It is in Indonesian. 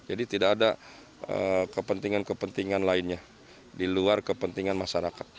jadi tidak ada kepentingan kepentingan lainnya di luar kepentingan masyarakat